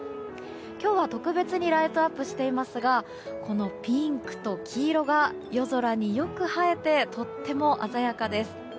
今日は特別にライトアップしていますがこのピンクと黄色が夜空によく映えてとても鮮やかです。